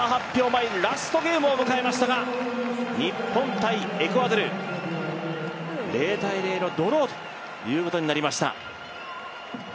前ラストゲームを迎えましたが日本×エクアドル、０−０のドローということになりました。